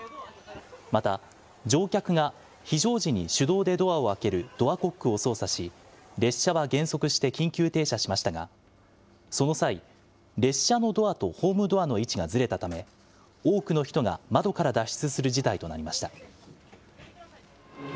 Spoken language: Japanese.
また、乗客が非常時に手動でドアを開けるドアコックを操作し、列車は減速して緊急停車しましたが、その際、列車のドアとホームドアの位置がずれたため、多くの人が窓から脱出する事態となりました。